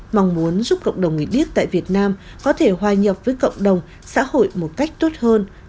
mong muốn giúp cộng đồng người điếc tại việt nam có thể hòa nhập với cộng đồng xã hội một cách tốt hơn